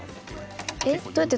えっ？